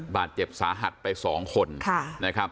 บาดเจ็บสาหัยไป๒คน